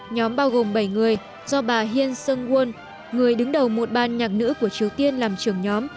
nhóm bao gồm bảy người do bà hiên sơn won người đứng đầu một ban nhạc nữ của triều tiên làm trưởng nhóm